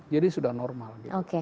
jadi sudah normal